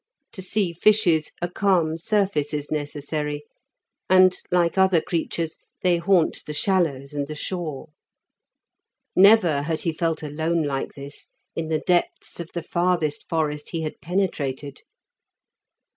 To see fishes a calm surface is necessary, and, like other creatures, they haunt the shallows and the shore. Never had he felt alone like this in the depths of the farthest forest he had penetrated.